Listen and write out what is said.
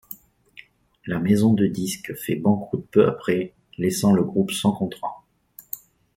La maison de disques fait banqueroute peu après, laissant le groupe sans contrat.